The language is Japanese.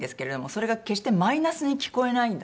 それが決してマイナスに聞こえないんだ